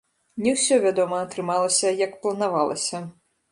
Не ўсё, вядома, атрымалася, як планавалася.